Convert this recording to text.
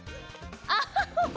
アハハハ。